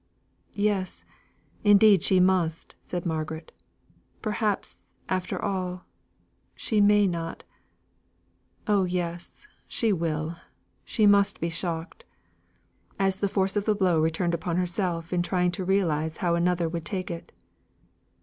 "Yes, indeed she must," said Margaret. "Perhaps, after all, she may not Oh yes! she will, she must be shocked" as the force of the blow returned upon herself in trying to realise how another would take it.